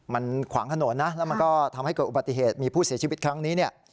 มันขวางถนนนะแล้วมันก็ทำให้เกิดอุบัติเหตุมีผู้เสียชีวิตครั้งนี้เนี่ย